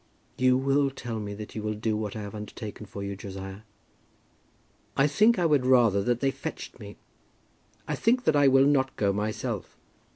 "You will tell me that you will do what I have undertaken for you, Josiah?" "I think I would rather that they fetched me. I think that I will not go myself."